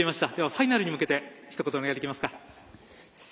ファイナルに向けてひと言お願いできますか。